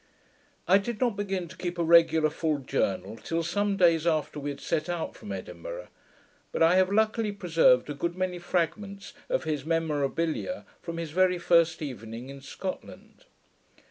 I did not begin to keep a regular full journal till some days after we had set out from Edinburgh; but I have luckily preserved a good many fragments of his Memorabilia from his very first evening in Scotland.